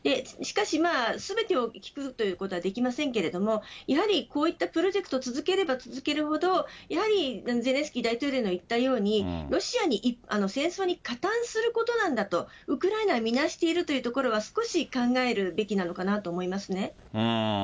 しかしまあ、すべてを聞くということはできませんけれども、やはりこういったプロジェクトを続ければ続けるほど、やはりゼレンスキー大統領の言ったように、ロシアに、戦争に加担することなんだと、ウクライナは見なしているというところは、少し考えるべきなのかなと思いますね。